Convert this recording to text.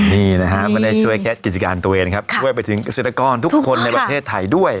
นี่นะฮะไม่ได้ช่วยแค่กิจการตัวเองครับช่วยไปถึงเกษตรกรทุกคนในประเทศไทยด้วย